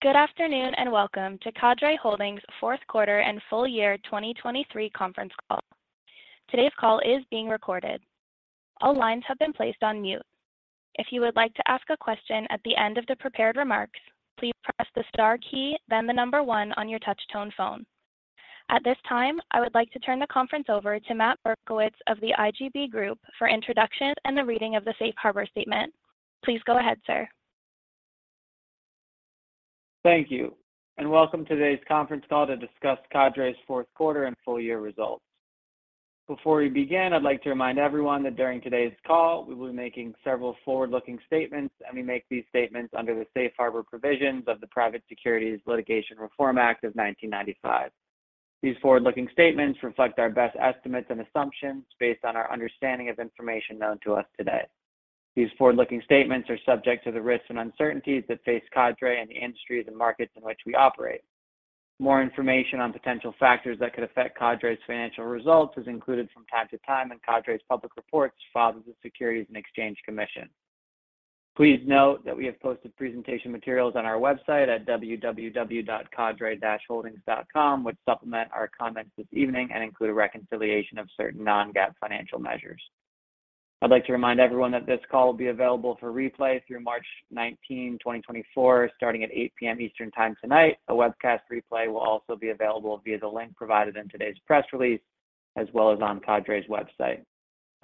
Good afternoon and welcome to Cadre Holdings' Fourth Quarter and Full Year 2023 Conference Call. Today's call is being recorded. All lines have been placed on mute. If you would like to ask a question at the end of the prepared remarks, please press the star key, then the number one on your touch-tone phone. At this time, I would like to turn the conference over to Matt Berkowitz of The IGB Group for introduction and the reading of the Safe Harbor Statement. Please go ahead, sir. Thank you, and welcome to today's conference call to discuss Cadre's fourth quarter and full year results. Before we begin, I'd like to remind everyone that during today's call we will be making several forward-looking statements, and we make these statements under the Safe Harbor provisions of the Private Securities Litigation Reform Act of 1995. These forward-looking statements reflect our best estimates and assumptions based on our understanding of information known to us today. These forward-looking statements are subject to the risks and uncertainties that face Cadre and the industries and markets in which we operate. More information on potential factors that could affect Cadre's financial results is included from time to time in Cadre's public reports filed with the Securities and Exchange Commission. Please note that we have posted presentation materials on our website at www.cadre-holdings.com, which supplement our comments this evening and include a reconciliation of certain non-GAAP financial measures. I'd like to remind everyone that this call will be available for replay through March 19, 2024, starting at 8:00 P.M. Eastern Time tonight. A webcast replay will also be available via the link provided in today's press release, as well as on Cadre's website.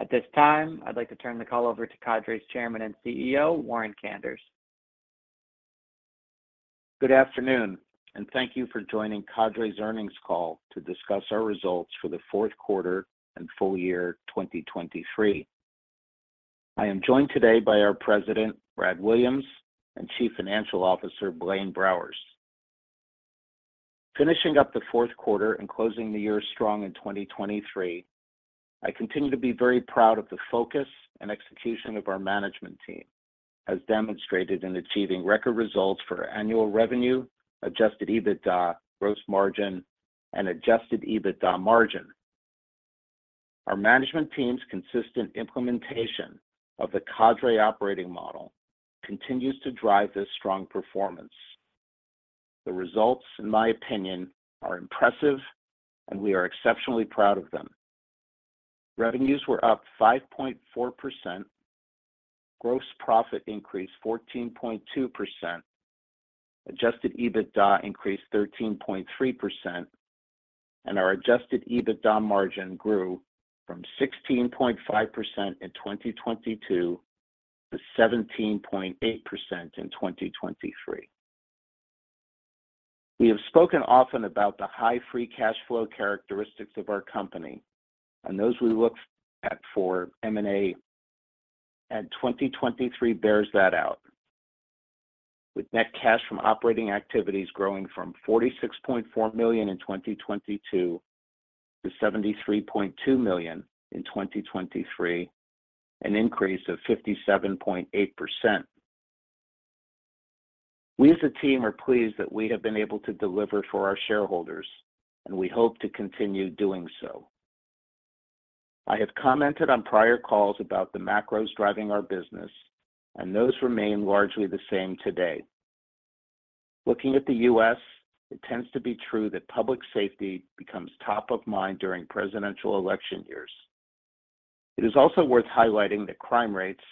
At this time, I'd like to turn the call over to Cadre's Chairman and CEO, Warren Kanders. Good afternoon, and thank you for joining Cadre's earnings call to discuss our results for the fourth quarter and full year 2023. I am joined today by our President, Brad Williams, and Chief Financial Officer, Blaine Browers. Finishing up the fourth quarter and closing the year strong in 2023, I continue to be very proud of the focus and execution of our management team, as demonstrated in achieving record results for annual revenue, adjusted EBITDA, gross margin, and adjusted EBITDA margin. Our management team's consistent implementation of the Cadre operating model continues to drive this strong performance. The results, in my opinion, are impressive, and we are exceptionally proud of them. Revenues were up 5.4%, gross profit increased 14.2%, adjusted EBITDA increased 13.3%, and our adjusted EBITDA margin grew from 16.5% in 2022-17.8% in 2023. We have spoken often about the high free cash flow characteristics of our company, and those we look at for M&A and 2023 bears that out, with net cash from operating activities growing from $46.4 million in 2022-$73.2 million in 2023, an increase of 57.8%. We as a team are pleased that we have been able to deliver for our shareholders, and we hope to continue doing so. I have commented on prior calls about the macros driving our business, and those remain largely the same today. Looking at the U.S., it tends to be true that public safety becomes top of mind during presidential election years. It is also worth highlighting that crime rates,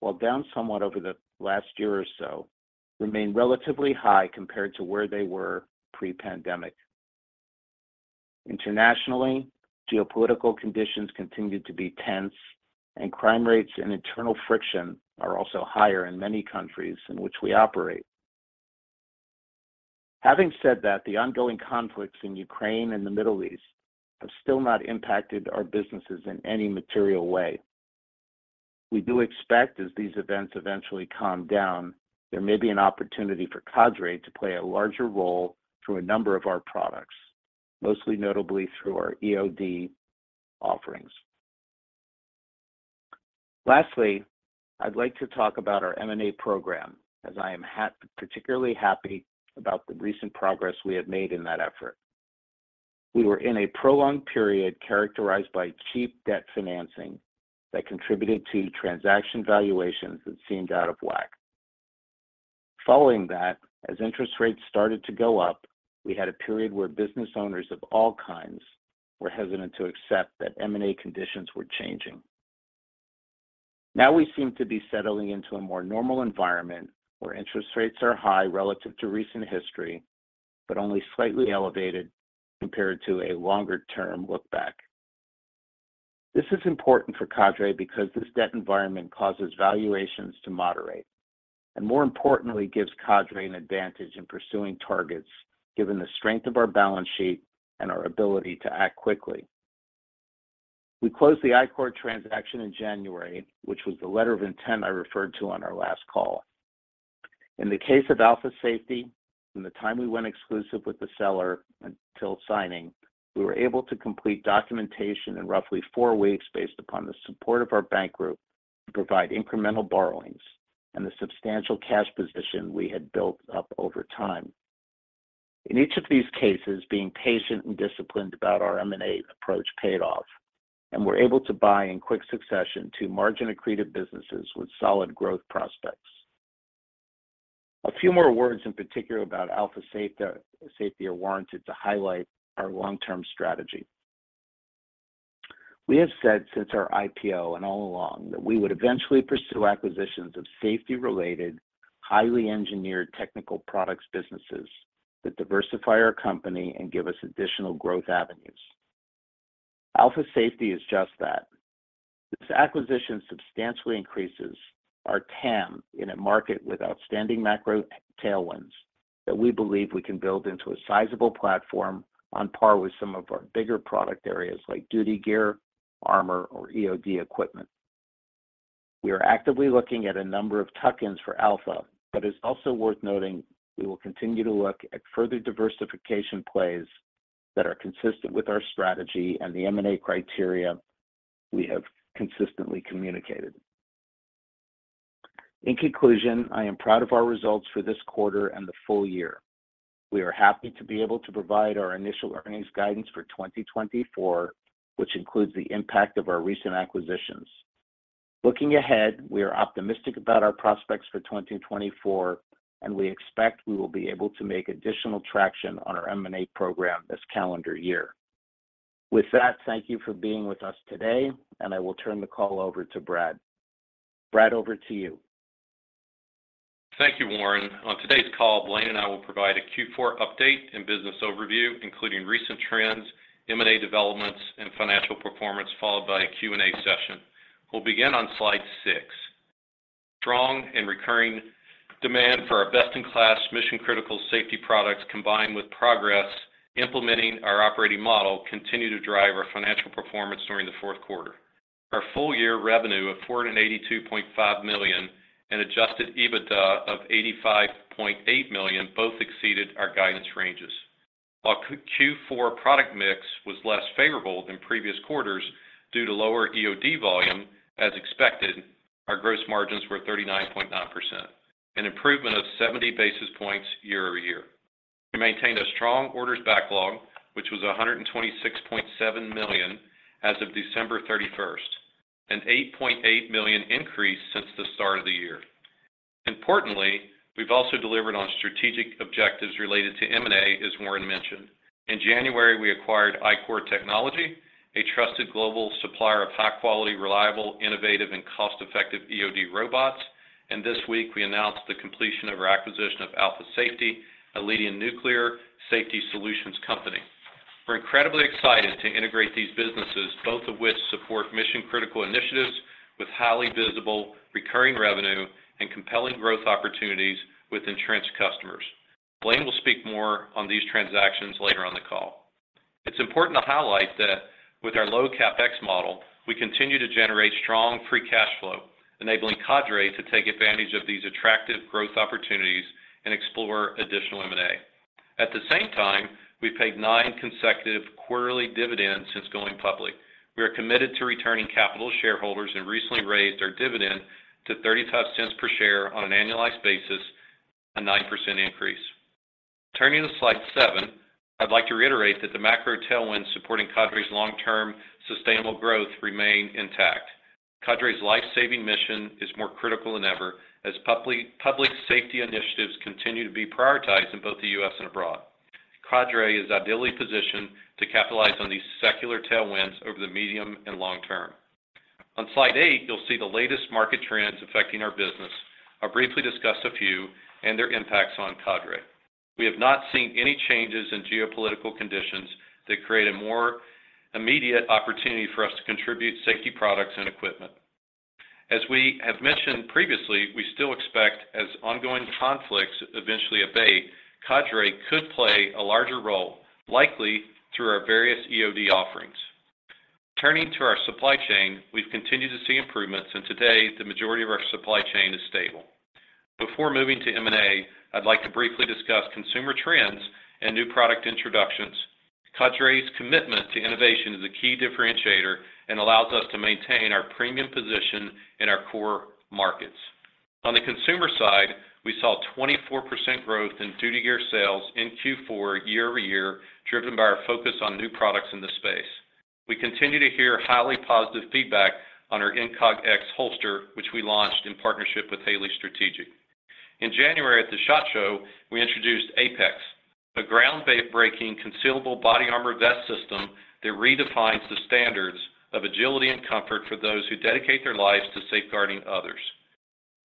while down somewhat over the last year or so, remain relatively high compared to where they were pre-pandemic. Internationally, geopolitical conditions continue to be tense, and crime rates and internal friction are also higher in many countries in which we operate. Having said that, the ongoing conflicts in Ukraine and the Middle East have still not impacted our businesses in any material way. We do expect, as these events eventually calm down, there may be an opportunity for Cadre to play a larger role through a number of our products, most notably through our EOD offerings. Lastly, I'd like to talk about our M&A program, as I am particularly happy about the recent progress we have made in that effort. We were in a prolonged period characterized by cheap debt financing that contributed to transaction valuations that seemed out of whack. Following that, as interest rates started to go up, we had a period where business owners of all kinds were hesitant to accept that M&A conditions were changing. Now we seem to be settling into a more normal environment where interest rates are high relative to recent history but only slightly elevated compared to a longer-term lookback. This is important for Cadre because this debt environment causes valuations to moderate and, more importantly, gives Cadre an advantage in pursuing targets given the strength of our balance sheet and our ability to act quickly. We closed the ICOR transaction in January, which was the letter of intent I referred to on our last call. In the case of Alpha Safety, from the time we went exclusive with the seller until signing, we were able to complete documentation in roughly four weeks based upon the support of our bank group to provide incremental borrowings and the substantial cash position we had built up over time. In each of these cases, being patient and disciplined about our M&A approach paid off, and we're able to buy in quick succession two margin-accretive businesses with solid growth prospects. A few more words in particular about Alpha Safety are warranted to highlight our long-term strategy. We have said since our IPO and all along that we would eventually pursue acquisitions of safety-related, highly engineered technical products businesses that diversify our company and give us additional growth avenues. Alpha Safety is just that. This acquisition substantially increases our TAM in a market with outstanding macro tailwinds that we believe we can build into a sizable platform on par with some of our bigger product areas like duty gear, armor, or EOD equipment. We are actively looking at a number of tuck-ins for Alpha, but it's also worth noting we will continue to look at further diversification plays that are consistent with our strategy and the M&A criteria we have consistently communicated. In conclusion, I am proud of our results for this quarter and the full year. We are happy to be able to provide our initial earnings guidance for 2024, which includes the impact of our recent acquisitions. Looking ahead, we are optimistic about our prospects for 2024, and we expect we will be able to make additional traction on our M&A program this calendar year. With that, thank you for being with us today, and I will turn the call over to Brad. Brad, over to you. Thank you, Warren. On today's call, Blaine and I will provide a Q4 update and business overview, including recent trends, M&A developments, and financial performance, followed by a Q&A session. We'll begin on slide 6. Strong and recurring demand for our best-in-class, mission-critical safety products, combined with progress implementing our operating model, continue to drive our financial performance during the fourth quarter. Our full-year revenue of $482.5 million and adjusted EBITDA of $85.8 million both exceeded our guidance ranges. While Q4 product mix was less favorable than previous quarters due to lower EOD volume, as expected, our gross margins were 39.9%, an improvement of 70 basis points year-over-year. We maintained a strong orders backlog, which was $126.7 million as of December 31st, an $8.8 million increase since the start of the year. Importantly, we've also delivered on strategic objectives related to M&A, as Warren mentioned. In January, we acquired ICOR Technology, a trusted global supplier of high-quality, reliable, innovative, and cost-effective EOD robots, and this week we announced the completion of our acquisition of Alpha Safety, a leading nuclear safety solutions company. We're incredibly excited to integrate these businesses, both of which support mission-critical initiatives with highly visible recurring revenue and compelling growth opportunities with entrenched customers. Blaine will speak more on these transactions later on the call. It's important to highlight that with our low-CAPEX model, we continue to generate strong free cash flow, enabling Cadre to take advantage of these attractive growth opportunities and explore additional M&A. At the same time, we've paid nine consecutive quarterly dividends since going public. We are committed to returning capital to shareholders and recently raised our dividend to $0.35 per share on an annualized basis, a 9% increase. Turning to slide 7, I'd like to reiterate that the macro tailwinds supporting Cadre's long-term sustainable growth remain intact. Cadre's life-saving mission is more critical than ever as public safety initiatives continue to be prioritized in both the U.S. and abroad. Cadre is ideally positioned to capitalize on these secular tailwinds over the medium and long term. On slide 8, you'll see the latest market trends affecting our business. I'll briefly discuss a few and their impacts on Cadre. We have not seen any changes in geopolitical conditions that create a more immediate opportunity for us to contribute safety products and equipment. As we have mentioned previously, we still expect, as ongoing conflicts eventually abate, Cadre could play a larger role, likely through our various EOD offerings. Turning to our supply chain, we've continued to see improvements, and today the majority of our supply chain is stable. Before moving to M&A, I'd like to briefly discuss consumer trends and new product introductions. Cadre's commitment to innovation is a key differentiator and allows us to maintain our premium position in our core markets. On the consumer side, we saw 24% growth in duty gear sales in Q4 year-over-year, driven by our focus on new products in the space. We continue to hear highly positive feedback on our Incog X holster, which we launched in partnership with Haley Strategic. In January, at the SHOT Show, we introduced APEX, a groundbreaking concealable body armor vest system that redefines the standards of agility and comfort for those who dedicate their lives to safeguarding others.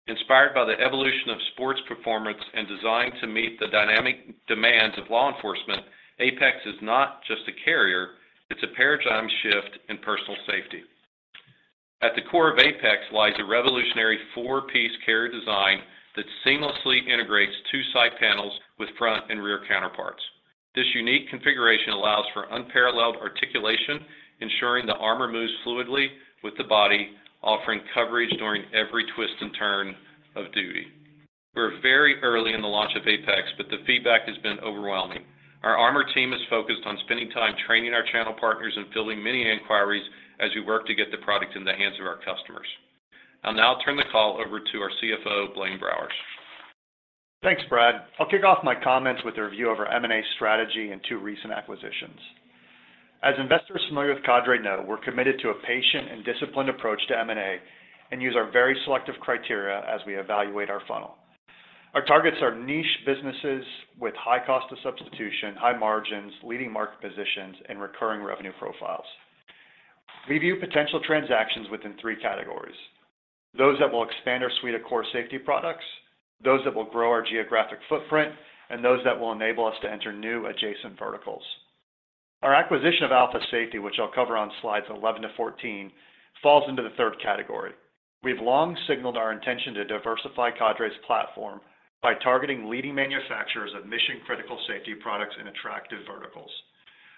Inspired by the evolution of sports performance and designed to meet the dynamic demands of law enforcement, APEX is not just a carrier. It's a paradigm shift in personal safety. At the core of APEX lies a revolutionary four-piece carrier design that seamlessly integrates two side panels with front and rear counterparts. This unique configuration allows for unparalleled articulation, ensuring the armor moves fluidly with the body, offering coverage during every twist and turn of duty. We're very early in the launch of APEX, but the feedback has been overwhelming. Our armor team is focused on spending time training our channel partners and filling many inquiries as we work to get the product in the hands of our customers. I'll now turn the call over to our CFO, Blaine Browers. Thanks, Brad. I'll kick off my comments with a review of our M&A strategy and two recent acquisitions. As investors familiar with Cadre know, we're committed to a patient and disciplined approach to M&A and use our very selective criteria as we evaluate our funnel. Our targets are niche businesses with high cost of substitution, high margins, leading market positions, and recurring revenue profiles. We view potential transactions within three categories: those that will expand our suite of core safety products, those that will grow our geographic footprint, and those that will enable us to enter new adjacent verticals. Our acquisition of Alpha Safety, which I'll cover on slides 11-14, falls into the third category. We've long signaled our intention to diversify Cadre's platform by targeting leading manufacturers of mission-critical safety products in attractive verticals.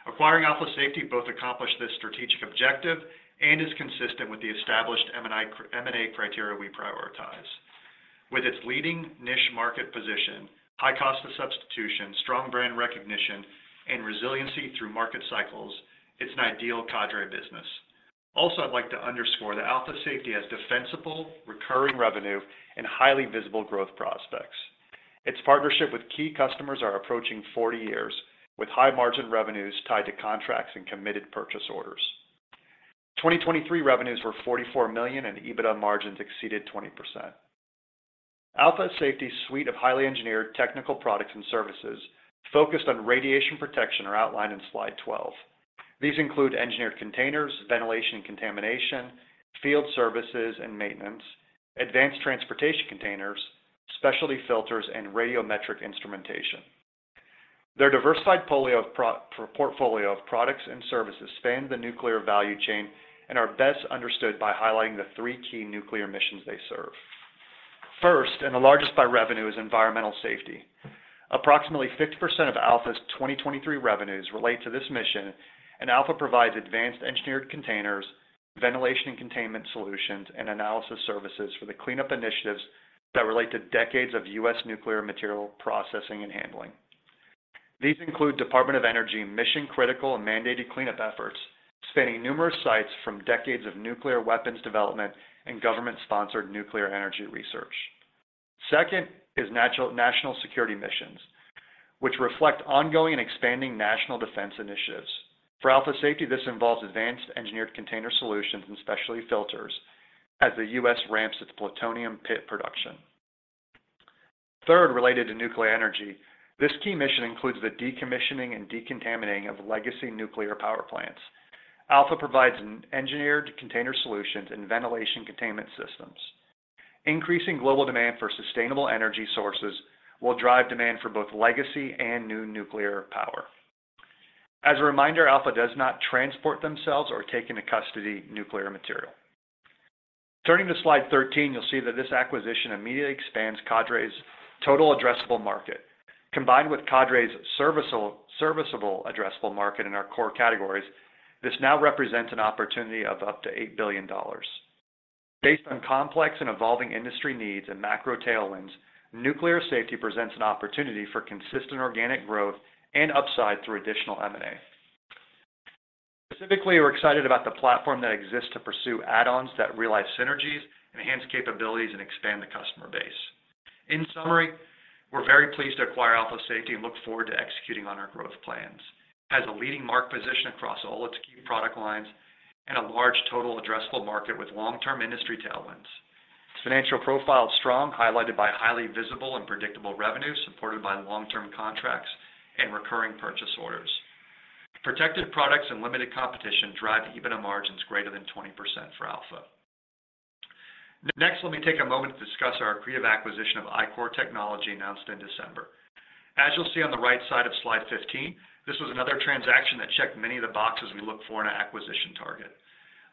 Acquiring Alpha Safety both accomplished this strategic objective and is consistent with the established M&A criteria we prioritize. With its leading niche market position, high cost of substitution, strong brand recognition, and resiliency through market cycles, it's an ideal Cadre business. Also, I'd like to underscore that Alpha Safety has defensible, recurring revenue, and highly visible growth prospects. Its partnership with key customers is approaching 40 years, with high margin revenues tied to contracts and committed purchase orders. 2023 revenues were $44 million, and EBITDA margins exceeded 20%. Alpha Safety's suite of highly engineered technical products and services focused on radiation protection are outlined in slide 12. These include engineered containers, ventilation and contamination, field services and maintenance, advanced transportation containers, specialty filters, and radiometric instrumentation. Their diversified portfolio of products and services spans the nuclear value chain and are best understood by highlighting the three key nuclear missions they serve. First, and the largest by revenue, is environmental safety. Approximately 50% of Alpha's 2023 revenues relate to this mission, and Alpha provides advanced engineered containers, ventilation and containment solutions, and analysis services for the cleanup initiatives that relate to decades of U.S. nuclear material processing and handling. These include Department of Energy mission-critical and mandated cleanup efforts, spanning numerous sites from decades of nuclear weapons development and government-sponsored nuclear energy research. Second is national security missions, which reflect ongoing and expanding national defense initiatives. For Alpha Safety, this involves advanced engineered container solutions and specialty filters as the U.S. ramps its plutonium pit production. Third, related to nuclear energy, this key mission includes the decommissioning and decontamination of legacy nuclear power plants. Alpha provides engineered container solutions and ventilation containment systems. Increasing global demand for sustainable energy sources will drive demand for both legacy and new nuclear power. As a reminder, Alpha does not transport themselves or take into custody nuclear material. Turning to slide 13, you'll see that this acquisition immediately expands Cadre's total addressable market. Combined with Cadre's serviceable addressable market in our core categories, this now represents an opportunity of up to $8 billion. Based on complex and evolving industry needs and macro tailwinds, nuclear safety presents an opportunity for consistent organic growth and upside through additional M&A. Specifically, we're excited about the platform that exists to pursue add-ons that realize synergies, enhance capabilities, and expand the customer base. In summary, we're very pleased to acquire Alpha Safety and look forward to executing on our growth plans. It has a leading market position across all its key product lines and a large total addressable market with long-term industry tailwinds. Its financial profile is strong, highlighted by highly visible and predictable revenue supported by long-term contracts and recurring purchase orders. Protected products and limited competition drive EBITDA margins greater than 20% for Alpha. Next, let me take a moment to discuss our creative acquisition of ICOR Technology announced in December. As you'll see on the right side of slide 15, this was another transaction that checked many of the boxes we look for in an acquisition target.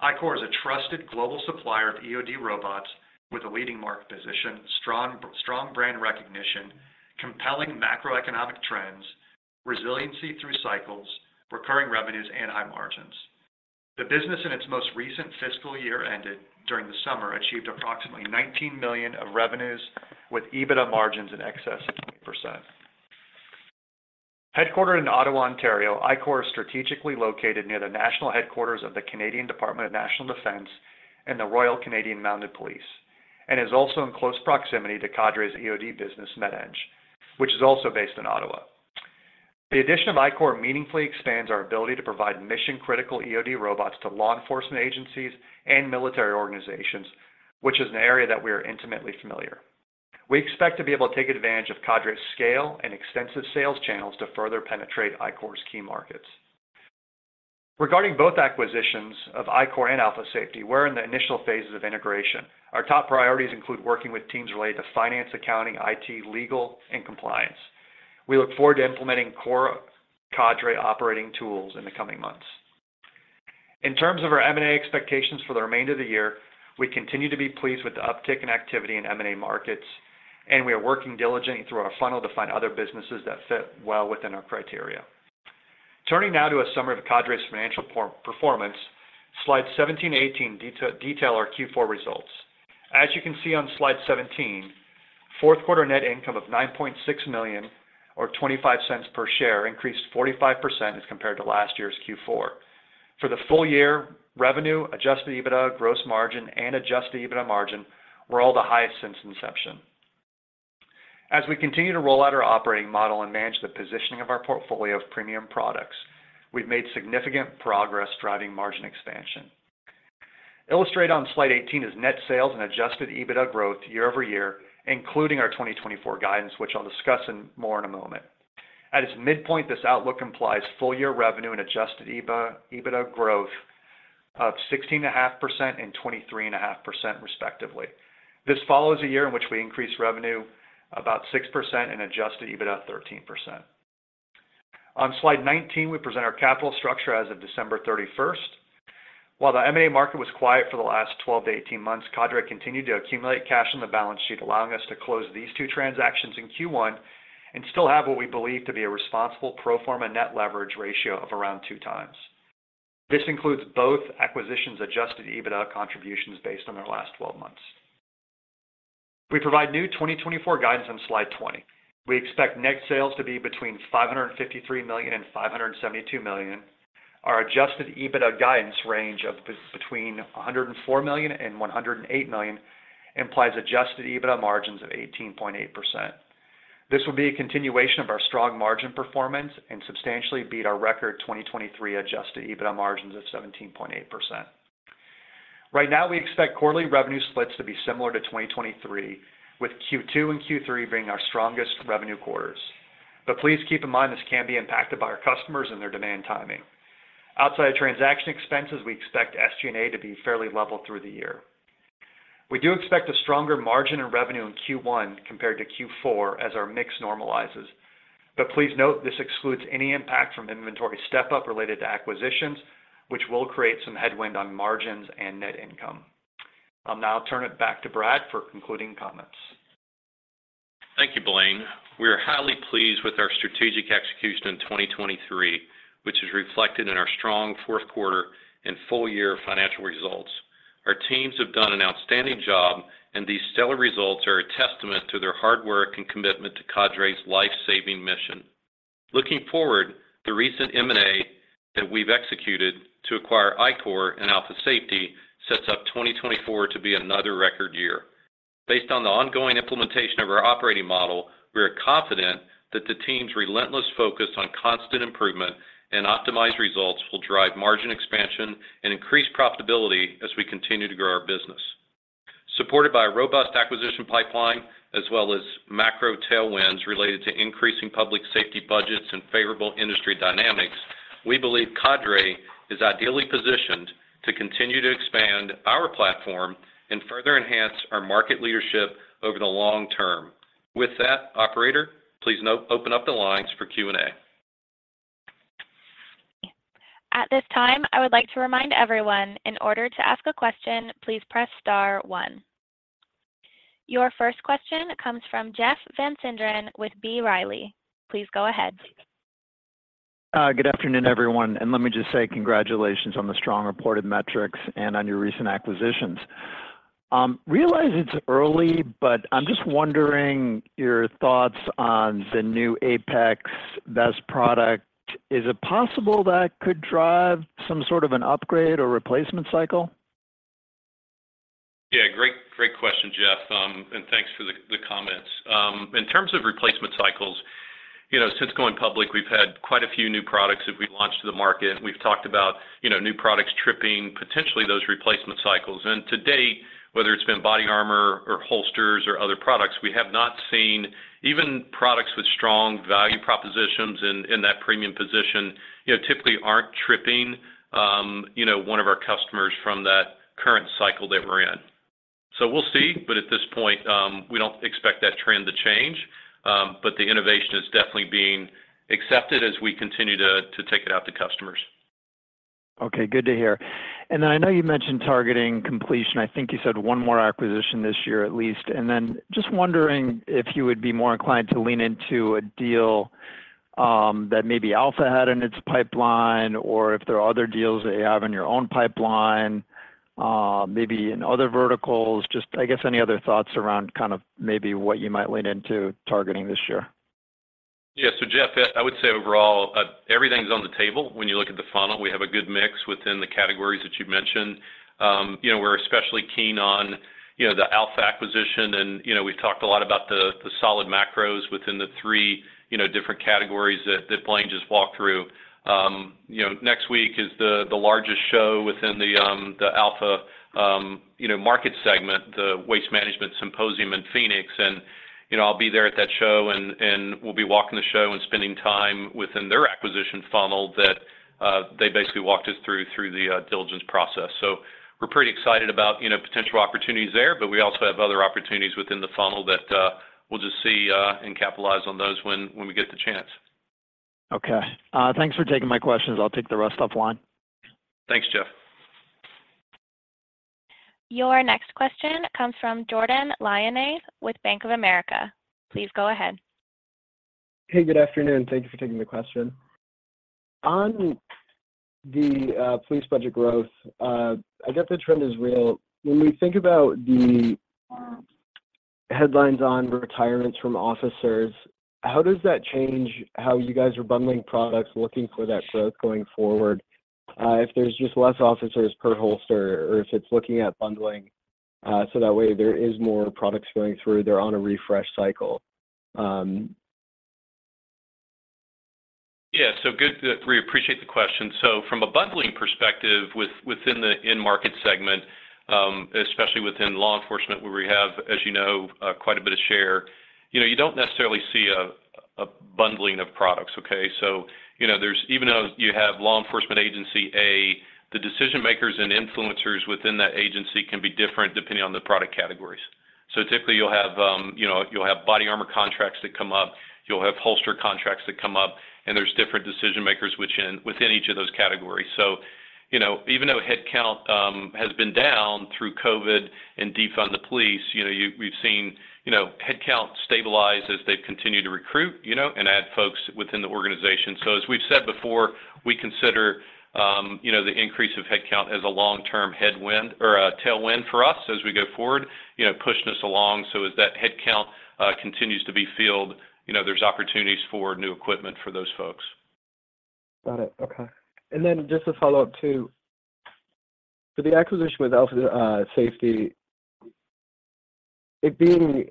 ICOR is a trusted global supplier of EOD robots with a leading market position, strong brand recognition, compelling macroeconomic trends, resiliency through cycles, recurring revenues, and high margins. The business, in its most recent fiscal year ended during the summer, achieved approximately $19 million of revenues with EBITDA margins in excess of 20%. Headquartered in Ottawa, Ontario, ICOR is strategically located near the national headquarters of the Canadian Department of National Defence and the Royal Canadian Mounted Police, and is also in close proximity to Cadre's EOD business, Med-Eng, which is also based in Ottawa. The addition of ICOR meaningfully expands our ability to provide mission-critical EOD robots to law enforcement agencies and military organizations, which is an area that we are intimately familiar. We expect to be able to take advantage of Cadre's scale and extensive sales channels to further penetrate ICOR's key markets. Regarding both acquisitions of ICOR and Alpha Safety, we're in the initial phases of integration. Our top priorities include working with teams related to finance, accounting, IT, legal, and compliance. We look forward to implementing core Cadre operating tools in the coming months. In terms of our M&A expectations for the remainder of the year, we continue to be pleased with the uptick in activity in M&A markets, and we are working diligently through our funnel to find other businesses that fit well within our criteria. Turning now to a summary of Cadre's financial performance, slides 17 and 18 detail our Q4 results. As you can see on slide 17, fourth quarter net income of $9.6 million or $0.25 per share increased 45% as compared to last year's Q4. For the full year, revenue, Adjusted EBITDA, gross margin, and Adjusted EBITDA margin were all the highest since inception. As we continue to roll out our operating model and manage the positioning of our portfolio of premium products, we've made significant progress driving margin expansion. Illustrated on slide 18 is net sales and Adjusted EBITDA growth year-over-year, including our 2024 guidance, which I'll discuss more in a moment. At its midpoint, this outlook implies full-year revenue and Adjusted EBITDA growth of 16.5% and 23.5%, respectively. This follows a year in which we increased revenue about 6% and Adjusted EBITDA 13%. On slide 19, we present our capital structure as of December 31st. While the M&A market was quiet for the last 12-18 months, Cadre continued to accumulate cash on the balance sheet, allowing us to close these two transactions in Q1 and still have what we believe to be a responsible pro forma net leverage ratio of around 2 times. This includes both acquisitions' Adjusted EBITDA contributions based on their last 12 months. We provide new 2024 guidance on slide 20. We expect net sales to be between $553 million and $572 million. Our Adjusted EBITDA guidance range of between $104 million and $108 million implies Adjusted EBITDA margins of 18.8%. This will be a continuation of our strong margin performance and substantially beat our record 2023 Adjusted EBITDA margins of 17.8%. Right now, we expect quarterly revenue splits to be similar to 2023, with Q2 and Q3 being our strongest revenue quarters. But please keep in mind this can be impacted by our customers and their demand timing. Outside of transaction expenses, we expect SG&A to be fairly level through the year. We do expect a stronger margin and revenue in Q1 compared to Q4 as our mix normalizes, but please note this excludes any impact from inventory step-up related to acquisitions, which will create some headwind on margins and net income. Now I'll turn it back to Brad for concluding comments. Thank you, Blaine. We are highly pleased with our strategic execution in 2023, which is reflected in our strong fourth quarter and full-year financial results. Our teams have done an outstanding job, and these stellar results are a testament to their hard work and commitment to Cadre's life-saving mission. Looking forward, the recent M&A that we've executed to acquire ICOR and Alpha Safety sets up 2024 to be another record year. Based on the ongoing implementation of our operating model, we are confident that the team's relentless focus on constant improvement and optimized results will drive margin expansion and increased profitability as we continue to grow our business. Supported by a robust acquisition pipeline as well as macro tailwinds related to increasing public safety budgets and favorable industry dynamics, we believe Cadre is ideally positioned to continue to expand our platform and further enhance our market leadership over the long term. With that, operator, please open up the lines for Q&A. At this time, I would like to remind everyone, in order to ask a question, please press star one. Your first question comes from Jeff Van Sinderen with B. Riley. Please go ahead. Good afternoon, everyone. Let me just say congratulations on the strong reported metrics and on your recent acquisitions. I realize it's early, but I'm just wondering your thoughts on the new APEX vest product. Is it possible that could drive some sort of an upgrade or replacement cycle? Yeah, great question, Jeff. Thanks for the comments. In terms of replacement cycles, since going public, we've had quite a few new products that we've launched to the market. We've talked about new products tripping potentially those replacement cycles. To date, whether it's been body armor or holsters or other products, we have not seen. Even products with strong value propositions in that premium position typically aren't tripping one of our customers from that current cycle that we're in. We'll see, but at this point, we don't expect that trend to change. The innovation is definitely being accepted as we continue to take it out to customers. Okay, good to hear. And then I know you mentioned targeting completion. I think you said one more acquisition this year at least. And then just wondering if you would be more inclined to lean into a deal that maybe Alpha had in its pipeline or if there are other deals that you have in your own pipeline, maybe in other verticals. I guess any other thoughts around kind of maybe what you might lean into targeting this year? Yeah, so Jeff, I would say overall, everything's on the table. When you look at the funnel, we have a good mix within the categories that you mentioned. We're especially keen on the Alpha acquisition, and we've talked a lot about the solid macros within the three different categories that Blaine just walked through. Next week is the largest show within the Alpha market segment, the Waste Management Symposium in Phoenix. And I'll be there at that show, and we'll be walking the show and spending time within their acquisition funnel that they basically walked us through the diligence process. So we're pretty excited about potential opportunities there, but we also have other opportunities within the funnel that we'll just see and capitalize on those when we get the chance. Okay. Thanks for taking my questions. I'll take the rest offline. Thanks, Jeff. Your next question comes from Jordan Lyonnais with Bank of America. Please go ahead. Hey, good afternoon. Thank you for taking the question. On the police budget growth, I guess the trend is real. When we think about the headlines on retirements from officers, how does that change how you guys are bundling products looking for that growth going forward if there's just less officers per holster or if it's looking at bundling so that way there is more products going through? They're on a refresh cycle. Yeah, so we appreciate the question. So from a bundling perspective, within the in-market segment, especially within law enforcement, where we have, as you know, quite a bit of share, you don't necessarily see a bundling of products, okay? So even though you have law enforcement agency A, the decision-makers and influencers within that agency can be different depending on the product categories. So typically, you'll have body armor contracts that come up. You'll have holster contracts that come up. And there's different decision-makers within each of those categories. So even though headcount has been down through COVID and defund the police, we've seen headcount stabilize as they've continued to recruit and add folks within the organization. As we've said before, we consider the increase of headcount as a long-term headwind or a tailwind for us as we go forward, pushing us along so as that headcount continues to be filled, there's opportunities for new equipment for those folks. Got it. Okay. And then just a follow-up too. For the acquisition with Alpha Safety, it being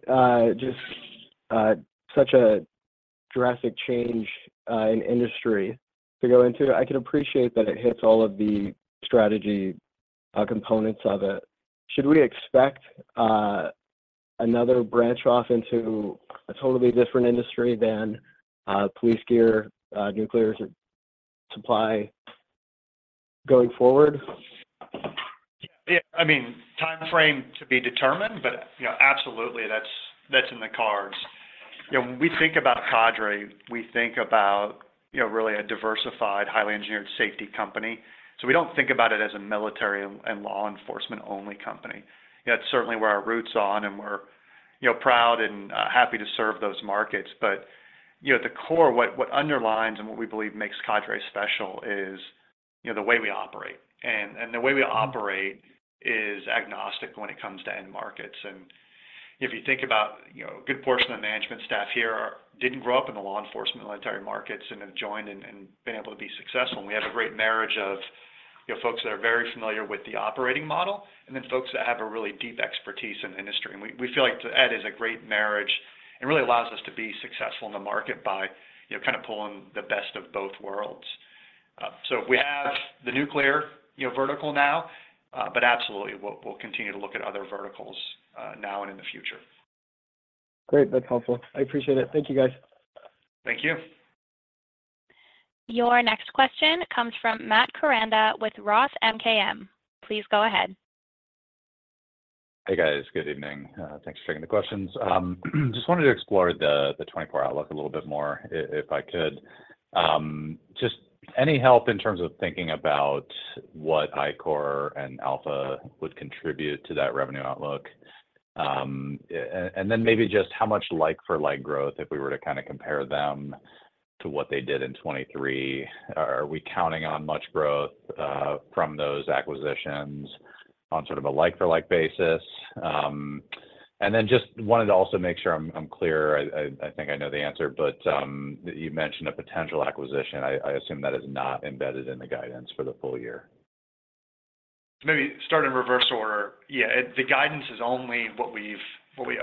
just such a drastic change in industry to go into, I can appreciate that it hits all of the strategy components of it. Should we expect another branch off into a totally different industry than police gear, nuclear supply going forward? Yeah, I mean, timeframe to be determined, but absolutely, that's in the cards. When we think about Cadre, we think about really a diversified, highly engineered safety company. So we don't think about it as a military and law enforcement-only company. That's certainly where our roots are on, and we're proud and happy to serve those markets. But at the core, what underlines and what we believe makes Cadre special is the way we operate. And the way we operate is agnostic when it comes to end markets. And if you think about a good portion of the management staff here didn't grow up in the law enforcement military markets and have joined and been able to be successful. And we have a great marriage of folks that are very familiar with the operating model and then folks that have a really deep expertise in the industry. We feel like that is a great marriage and really allows us to be successful in the market by kind of pulling the best of both worlds. We have the nuclear vertical now, but absolutely, we'll continue to look at other verticals now and in the future. Great. That's helpful. I appreciate it. Thank you, guys. Thank you. Your next question comes from Matt Koranda with Roth MKM. Please go ahead. Hey, guys. Good evening. Thanks for taking the questions. Just wanted to explore the 2024 outlook a little bit more, if I could. Just any help in terms of thinking about what ICOR and Alpha would contribute to that revenue outlook? And then maybe just how much like-for-like growth if we were to kind of compare them to what they did in 2023? Are we counting on much growth from those acquisitions on sort of a like-for-like basis? And then just wanted to also make sure I'm clear. I think I know the answer, but you mentioned a potential acquisition. I assume that is not embedded in the guidance for the full year. Maybe start in reverse order. Yeah, the guidance is only what we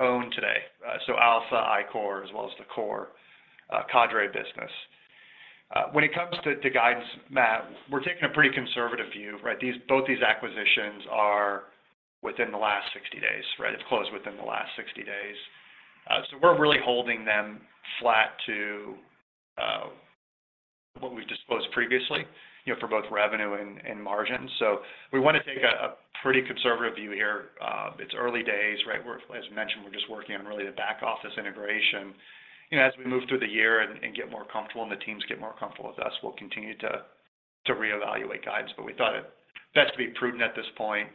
own today, so Alpha, ICOR, as well as the core Cadre business. When it comes to guidance, Matt, we're taking a pretty conservative view, right? Both these acquisitions are within the last 60 days, right? They've closed within the last 60 days. So we're really holding them flat to what we've disclosed previously for both revenue and margins. So we want to take a pretty conservative view here. It's early days, right? As mentioned, we're just working on really the back-office integration. As we move through the year and get more comfortable and the teams get more comfortable with us, we'll continue to reevaluate guidance. But we thought it best to be prudent at this point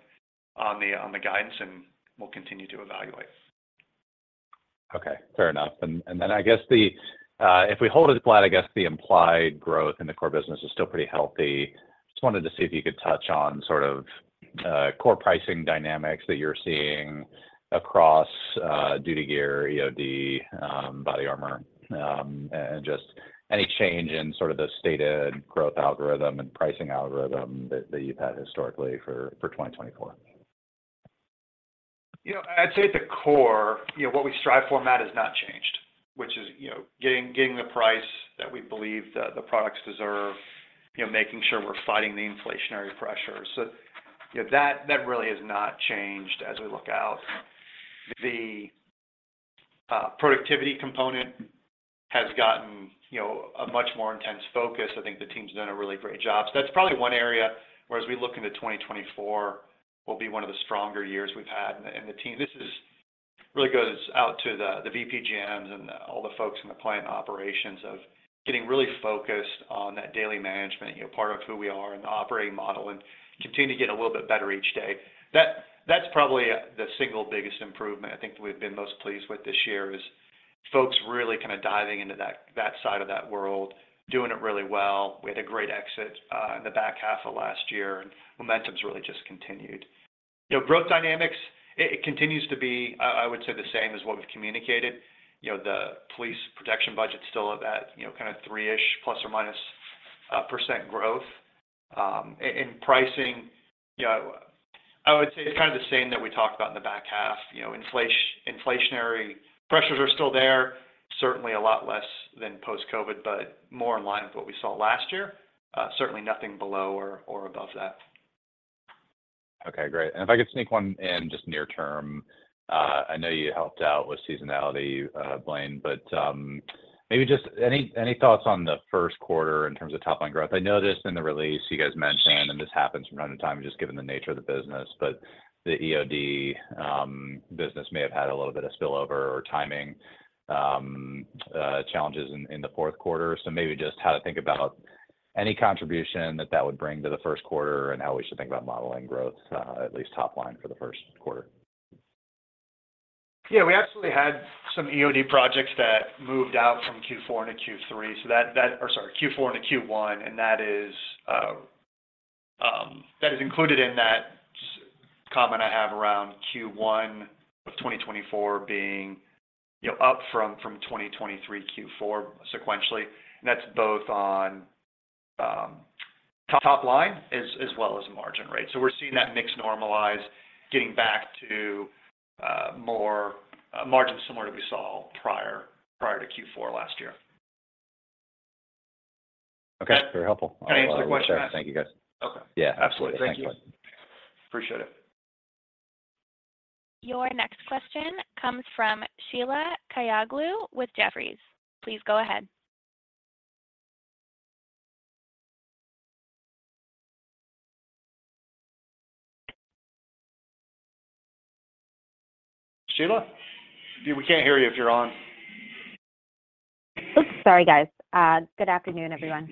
on the guidance, and we'll continue to evaluate. Okay, fair enough. And then I guess if we hold it flat, I guess the implied growth in the core business is still pretty healthy. Just wanted to see if you could touch on sort of core pricing dynamics that you're seeing across duty gear, EOD, body armor, and just any change in sort of the stated growth algorithm and pricing algorithm that you've had historically for 2024. I'd say at the core, what we strive for, Matt, has not changed, which is getting the price that we believe the products deserve, making sure we're fighting the inflationary pressures. So that really has not changed as we look out. The productivity component has gotten a much more intense focus. I think the team's done a really great job. So that's probably one area, whereas we look into 2024, will be one of the stronger years we've had. And this really goes out to the VPGMs and all the folks in the plant operations of getting really focused on that daily management, part of who we are and the operating model, and continue to get a little bit better each day. That's probably the single biggest improvement I think that we've been most pleased with this year is folks really kind of diving into that side of that world, doing it really well. We had a great exit in the back half of last year, and momentum's really just continued. Growth dynamics, it continues to be, I would say, the same as what we've communicated. The police protection budget's still at that kind of 3%-ish, plus or minus percent growth. In pricing, I would say it's kind of the same that we talked about in the back half. Inflationary pressures are still there, certainly a lot less than post-COVID, but more in line with what we saw last year. Certainly nothing below or above that. Okay, great. And if I could sneak one in just near-term, I know you helped out with seasonality, Blaine, but maybe just any thoughts on the first quarter in terms of top-line growth? I noticed in the release, you guys mentioned, and this happens from time to time just given the nature of the business, but the EOD business may have had a little bit of spillover or timing challenges in the fourth quarter. So maybe just how to think about any contribution that that would bring to the first quarter and how we should think about modeling growth, at least top-line for the first quarter. Yeah, we actually had some EOD projects that moved out from Q4 into Q3 or sorry, Q4 into Q1, and that is included in that comment I have around Q1 of 2024 being up from 2023 Q4 sequentially. And that's both on top-line as well as margin rate. So we're seeing that mix normalize, getting back to more margins similar to what we saw prior to Q4 last year. Okay, very helpful. Any other questions? I appreciate it. Thank you, guys. Okay. Yeah, absolutely. Thank you. Thanks. Appreciate it. Your next question comes from Sheila Kahyaoglu with Jefferies. Please go ahead. Sheila? We can't hear you if you're on. Oops, sorry, guys. Good afternoon, everyone.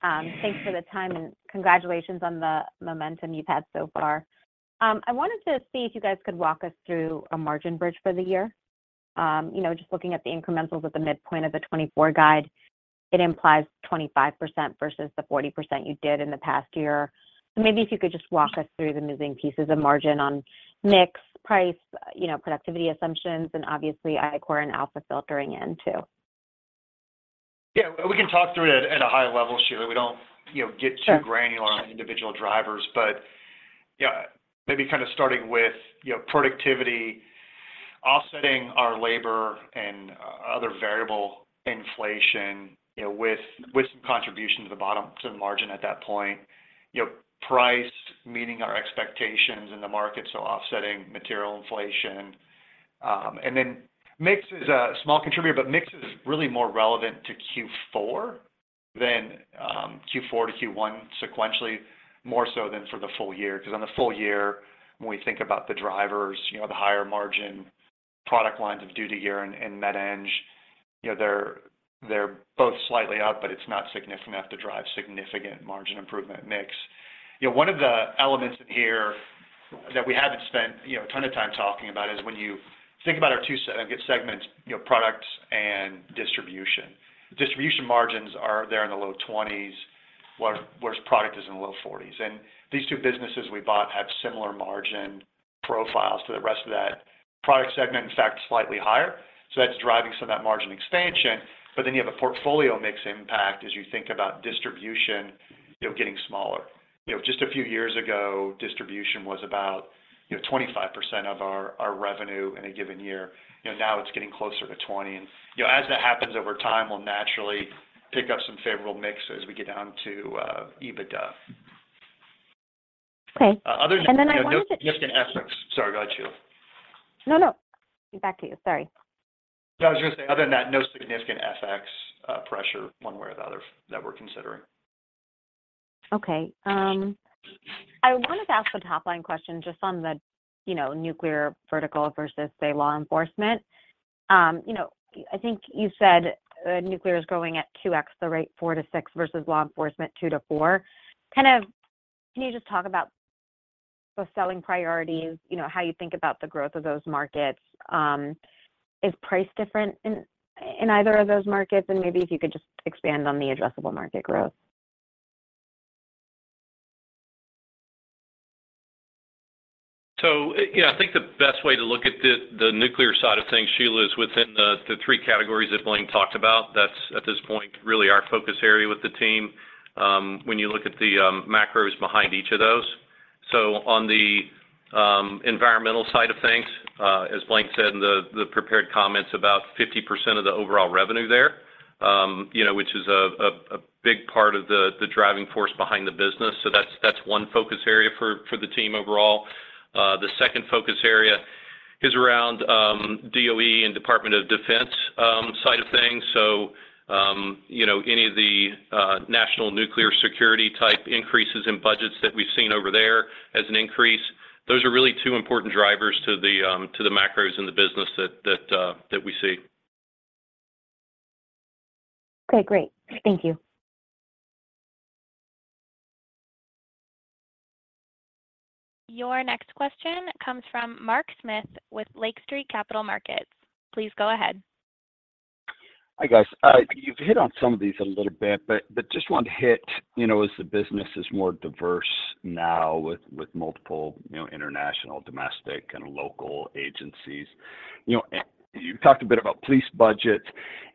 Thanks for the time, and congratulations on the momentum you've had so far. I wanted to see if you guys could walk us through a margin bridge for the year. Just looking at the incrementals at the midpoint of the 2024 guide, it implies 25% versus the 40% you did in the past year. So maybe if you could just walk us through the moving pieces of margin on mix, price, productivity assumptions, and obviously, ICOR and Alpha filtering in too. Yeah, we can talk through it at a high level, Sheila. We don't get too granular on the individual drivers. But maybe kind of starting with productivity, offsetting our labor and other variable inflation with some contribution to the margin at that point, price meeting our expectations in the market, so offsetting material inflation. And then mix is a small contributor, but mix is really more relevant to Q4 than Q4-Q1 sequentially, more so than for the full year. Because on the full year, when we think about the drivers, the higher margin product lines of duty gear and Med-Eng, they're both slightly up, but it's not significant enough to drive significant margin improvement mix. One of the elements in here that we haven't spent a ton of time talking about is when you think about our two segments, products and distribution. Distribution margins are there in the low 20s, whereas product is in the low 40s. And these two businesses we bought have similar margin profiles to the rest of that product segment, in fact, slightly higher. So that's driving some of that margin expansion. But then you have a portfolio mix impact as you think about distribution getting smaller. Just a few years ago, distribution was about 25% of our revenue in a given year. Now it's getting closer to 20. And as that happens over time, we'll naturally pick up some favorable mix as we get down to EBITDA. Okay. And then I wanted to. Other than significant FX, sorry, go ahead, Sheila. No, no. Back to you. Sorry. Yeah, I was going to say, other than that, no significant FX pressure one way or the other that we're considering. Okay. I wanted to ask the top-line question just on the nuclear vertical versus, say, law enforcement. I think you said nuclear is growing at 2x the rate, 4-6, versus law enforcement, 2-4. Kind of can you just talk about those selling priorities, how you think about the growth of those markets? Is price different in either of those markets? And maybe if you could just expand on the addressable market growth. So I think the best way to look at the nuclear side of things, Sheila, is within the three categories that Blaine talked about. That's, at this point, really our focus area with the team when you look at the macros behind each of those. So on the environmental side of things, as Blaine said in the prepared comments about 50% of the overall revenue there, which is a big part of the driving force behind the business. So that's one focus area for the team overall. The second focus area is around DOE and Department of Defense side of things. So any of the national nuclear security-type increases in budgets that we've seen over there as an increase, those are really two important drivers to the macros in the business that we see. Okay, great. Thank you. Your next question comes from Mark Smith with Lake Street Capital Markets. Please go ahead. Hi, guys. You've hit on some of these a little bit, but just wanted to hit as the business is more diverse now with multiple international, domestic, and local agencies. You've talked a bit about police budgets.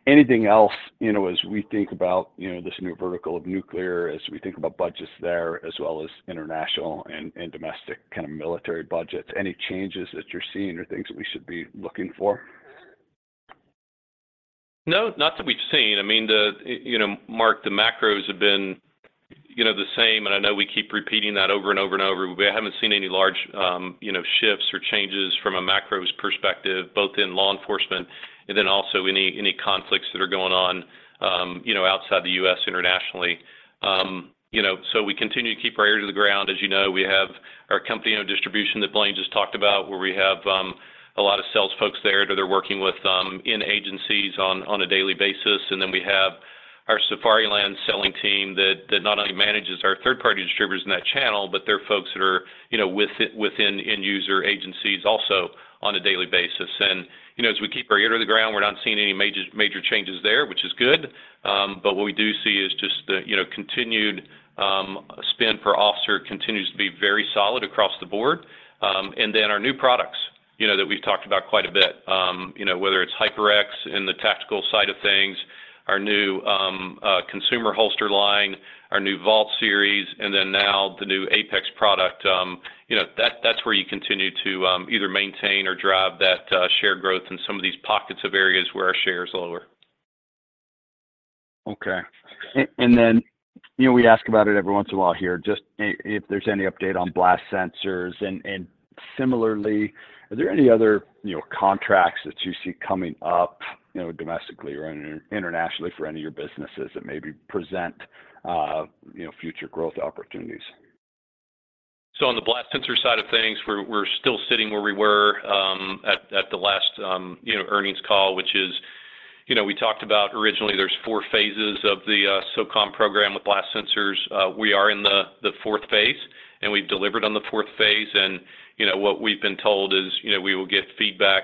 Anything else as we think about this new vertical of nuclear, as we think about budgets there, as well as international and domestic kind of military budgets? Any changes that you're seeing or things that we should be looking for? No, not that we've seen. I mean, Mark, the macros have been the same, and I know we keep repeating that over and over and over, but we haven't seen any large shifts or changes from a macros perspective, both in law enforcement and then also any conflicts that are going on outside the U.S. internationally. So we continue to keep our ear to the ground. As you know, we have our company-owned distribution that Blaine just talked about, where we have a lot of sales folks there that they're working within agencies on a daily basis. And then we have our Safariland selling team that not only manages our third-party distributors in that channel, but they're folks that are within end-user agencies also on a daily basis. And as we keep our ear to the ground, we're not seeing any major changes there, which is good. But what we do see is just the continued spend per officer continues to be very solid across the board. And then our new products that we've talked about quite a bit, whether it's HyperX in the tactical side of things, our new consumer holster line, our new Vault series, and then now the new APEX product, that's where you continue to either maintain or drive that share growth in some of these pockets of areas where our share is lower. Okay. And then we ask about it every once in a while here, just if there's any update on blast sensors. And similarly, are there any other contracts that you see coming up domestically or internationally for any of your businesses that maybe present future growth opportunities? So on the blast sensor side of things, we're still sitting where we were at the last earnings call, which is we talked about originally, there's four phases of the SOCOM program with blast sensors. We are in the fourth phase, and we've delivered on the fourth phase. And what we've been told is we will get feedback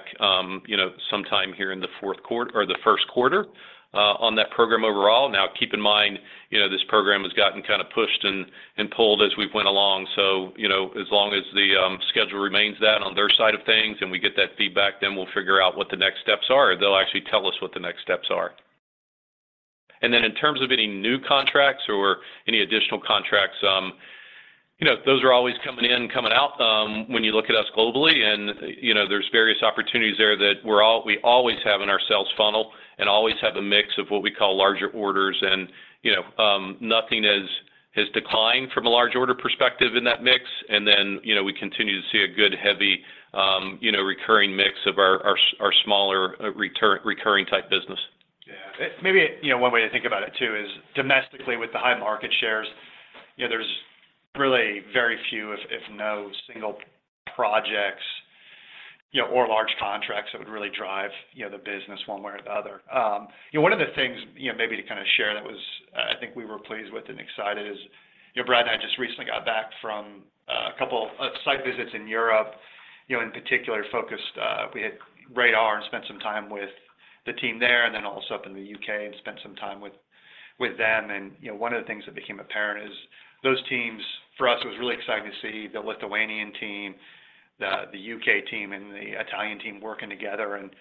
sometime here in the fourth quarter or the first quarter on that program overall. Now, keep in mind, this program has gotten kind of pushed and pulled as we've went along. So as long as the schedule remains that on their side of things and we get that feedback, then we'll figure out what the next steps are. They'll actually tell us what the next steps are. And then in terms of any new contracts or any additional contracts, those are always coming in, coming out when you look at us globally. There's various opportunities there that we always have in our sales funnel and always have a mix of what we call larger orders. Nothing has declined from a large order perspective in that mix. Then we continue to see a good, heavy, recurring mix of our smaller recurring-type business. Yeah. Maybe one way to think about it too is domestically, with the high market shares, there's really very few, if no single projects or large contracts that would really drive the business one way or the other. One of the things maybe to kind of share that I think we were pleased with and excited is Brad and I just recently got back from a couple of site visits in Europe, in particular focused we had radar and spent some time with the team there and then also up in the U.K. and spent some time with them. And one of the things that became apparent is those teams, for us, it was really exciting to see the Lithuanian team, the U.K. team, and the Italian team working together. And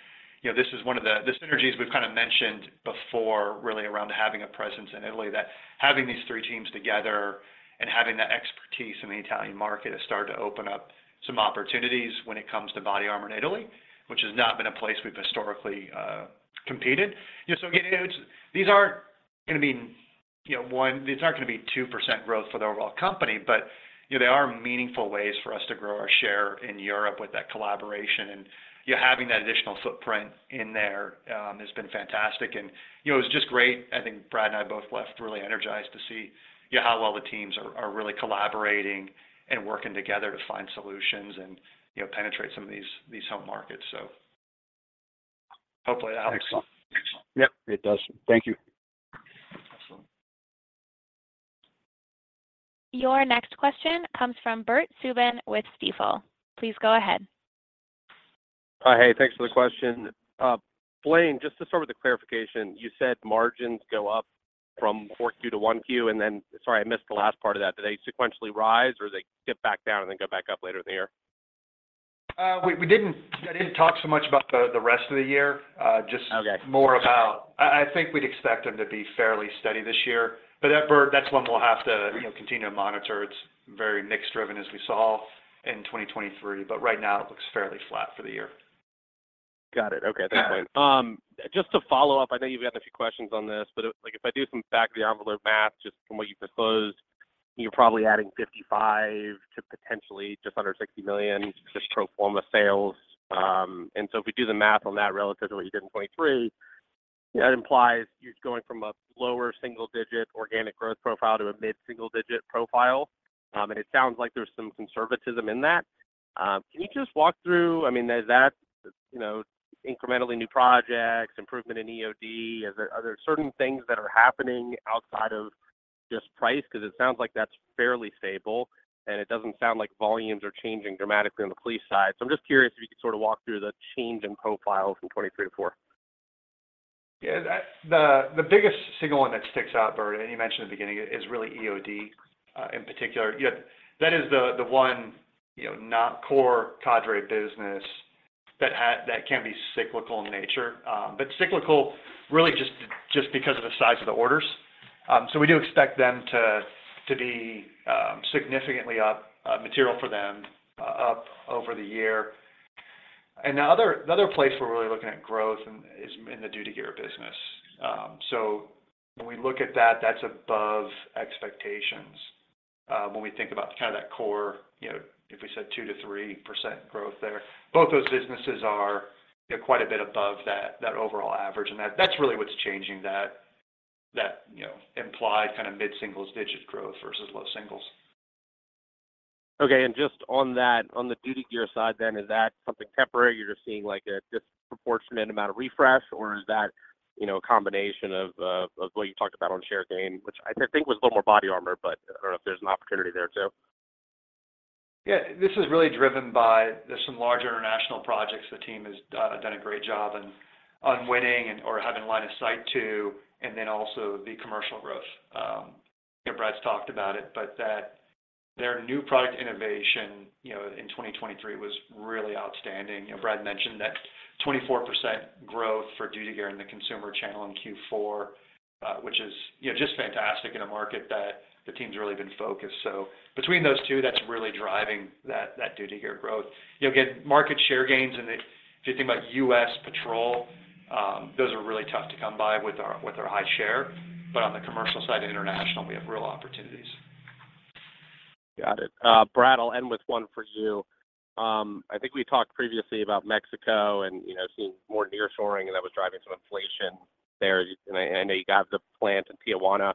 this is one of the synergies we've kind of mentioned before, really around having a presence in Italy, that having these three teams together and having that expertise in the Italian market has started to open up some opportunities when it comes to body armor in Italy, which has not been a place we've historically competed. So again, these aren't going to be one, it's not going to be 2% growth for the overall company, but they are meaningful ways for us to grow our share in Europe with that collaboration. And having that additional footprint in there has been fantastic. And it was just great. I think Brad and I both left really energized to see how well the teams are really collaborating and working together to find solutions and penetrate some of these home markets. So hopefully, that helps. Excellent. Yep, it does. Thank you. Excellent. Your next question comes from Bert Subin with Stifel. Please go ahead. Hi. Hey, thanks for the question. Blaine, just to start with the clarification, you said margins go up from 4Q to 1Q, and then, sorry, I missed the last part of that. Do they sequentially rise, or do they dip back down and then go back up later in the year? We didn't talk so much about the rest of the year, just more about I think we'd expect them to be fairly steady this year. But that's one we'll have to continue to monitor. It's very mix-driven, as we saw in 2023. But right now, it looks fairly flat for the year. Got it. Okay, that's fine. Just to follow up, I know you've gotten a few questions on this, but if I do some back-of-the-envelope math just from what you proposed, you're probably adding $55 million to potentially just under $60 million just pro forma sales. And so if we do the math on that relative to what you did in 2023, that implies you're going from a lower single-digit organic growth profile to a mid-single-digit profile. And it sounds like there's some conservatism in that. Can you just walk through—I mean, is that incrementally new projects, improvement in EOD? Are there certain things that are happening outside of just price? Because it sounds like that's fairly stable, and it doesn't sound like volumes are changing dramatically on the police side. So I'm just curious if you could sort of walk through the change in profile from 2023-2024. Yeah. The biggest single one that sticks out, Bert, and you mentioned in the beginning, is really EOD in particular. That is the one core Cadre business that can be cyclical in nature, but cyclical really just because of the size of the orders. So we do expect them to be significantly up, material for them up over the year. And the other place we're really looking at growth is in the duty gear business. So when we look at that, that's above expectations when we think about kind of that core, if we said 2%-3% growth there. Both those businesses are quite a bit above that overall average. And that's really what's changing that implied kind of mid-single digit growth versus low singles. Okay. Just on the duty gear side then, is that something temporary? You're just seeing a disproportionate amount of refresh, or is that a combination of what you talked about on share gain, which I think was a little more body armor, but I don't know if there's an opportunity there too? Yeah. This is really driven by there's some large international projects the team has done a great job on winning or having line of sight to, and then also the commercial growth. Brad's talked about it, but their new product innovation in 2023 was really outstanding. Brad mentioned that 24% growth for duty gear in the consumer channel in Q4, which is just fantastic in a market that the team's really been focused. So between those two, that's really driving that duty gear growth. Again, market share gains, and if you think about U.S. patrol, those are really tough to come by with our high share. But on the commercial side and international, we have real opportunities. Got it. Brad, I'll end with one for you. I think we talked previously about Mexico and seeing more nearshoring, and that was driving some inflation there. I know you have the plant in Tijuana.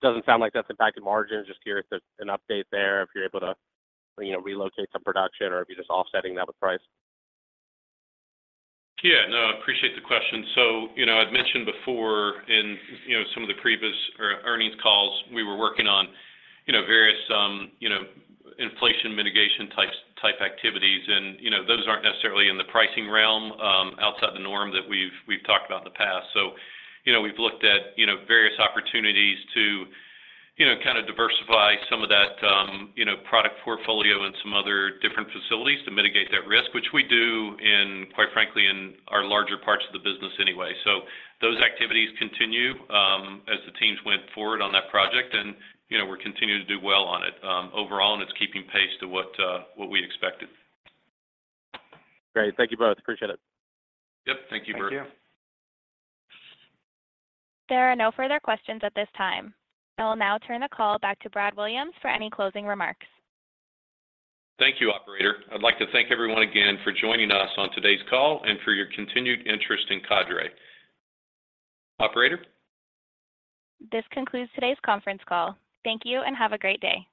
Doesn't sound like that's impacted margins. Just curious if there's an update there, if you're able to relocate some production or if you're just offsetting that with price. Yeah. No, I appreciate the question. So I'd mentioned before in some of the previous earnings calls, we were working on various inflation mitigation-type activities. And those aren't necessarily in the pricing realm outside the norm that we've talked about in the past. So we've looked at various opportunities to kind of diversify some of that product portfolio in some other different facilities to mitigate that risk, which we do, quite frankly, in our larger parts of the business anyway. So those activities continue as the teams went forward on that project, and we're continuing to do well on it overall, and it's keeping pace to what we expected. Great. Thank you both. Appreciate it. Yep. Thank you, Bert. Thank you. There are no further questions at this time. I will now turn the call back to Brad Williams for any closing remarks. Thank you, operator. I'd like to thank everyone again for joining us on today's call and for your continued interest in Cadre. Operator? This concludes today's conference call. Thank you, and have a great day.